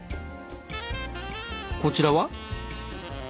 こちらは？